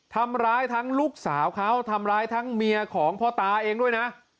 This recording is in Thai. ทำร้ายทั้งลูกสาวเขาทำร้ายทั้งเมียของพ่อตาเองด้วยนะ